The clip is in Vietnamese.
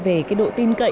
về cái độ tin cư